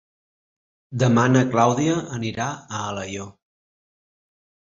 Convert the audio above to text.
Demà na Clàudia anirà a Alaior.